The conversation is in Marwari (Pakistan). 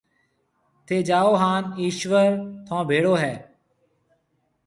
ٿَي جاو هانَ ايشوَر ٿُون ڀيڙو هيَ۔